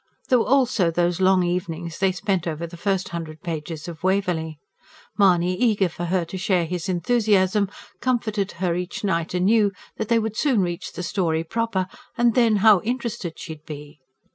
There were also those long evenings they spent over the first hundred pages of WAVERLEY. Mahony, eager for her to share his enthusiasm, comforted her each night anew that they would soon reach the story proper, and then, how interested she would be!